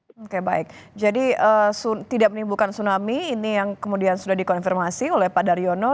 oke baik jadi tidak menimbulkan tsunami ini yang kemudian sudah dikonfirmasi oleh pak daryono